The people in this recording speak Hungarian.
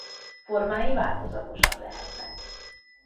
Formái változatosak lehetnek.